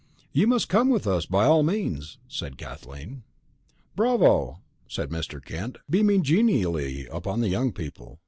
"You must come with us, by all means," said Kathleen. "Bravo," said Mr. Kent, beaming genially upon the young people.